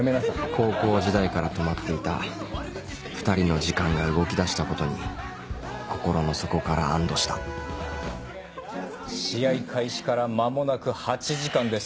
高校時代から止まっていた２人の時間が動きだしたことに心の底から安堵した試合開始から間もなく８時間です。